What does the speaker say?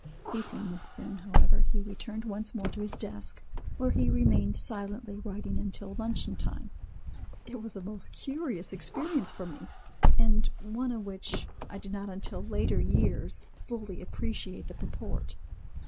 Ceasing this soon, however, he returned once more to his desk, where he remained silently writing until luncheon time. It was a most curious experience for me, and one of which, I did not until later years, fully appreciate the purport.